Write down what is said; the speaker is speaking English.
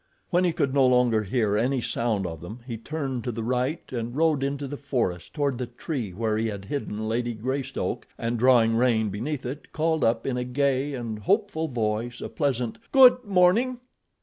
When he could no longer hear any sound of them, he turned to the right and rode into the forest toward the tree where he had hidden Lady Greystoke, and drawing rein beneath it, called up in a gay and hopeful voice a pleasant, "Good morning!"